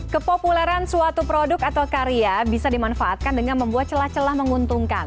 kepopuleran suatu produk atau karya bisa dimanfaatkan dengan membuat celah celah menguntungkan